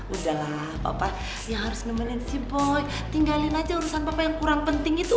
udahlah papa ya harus nemenin si boy tinggalin aja urusan papa yang kurang penting itu